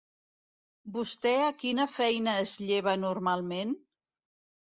Vostè a quina feina es lleva normalment?